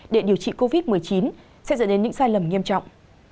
để điều trị covid một mươi chín sẽ dẫn đến những sai lầm nghiêm trọng